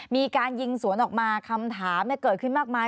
มีการยิงสวนออกมาคำถามเกิดขึ้นมากมาย